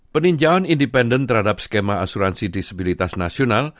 peninjauan independen terhadap skema asuransi disabilitas nasional